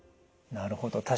なるほど。